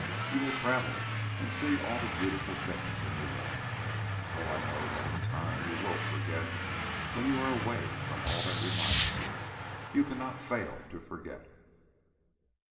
You will travel and see all the beautiful things in Europe. Oh, I know that in time you will forget. When you are away from all that reminds, you cannot fail to forget."